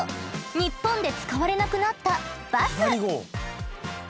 ニッポンで使われなくなったバス！